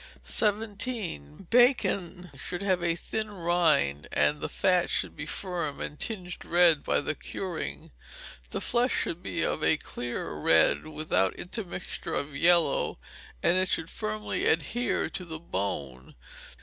17. Bacon should have a thin rind, and the fat should be firm, and tinged red by the curing; the flesh should be of a clear red, without intermixture of yellow, and it should firmly adhere to the bone.